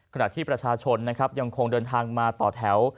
ขณะที่ประชาชนนะครับยังคงเดินทางมาต่อแถว